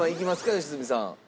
良純さん。